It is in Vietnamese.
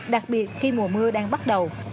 đặc biệt khi mùa mưa đang bắt đầu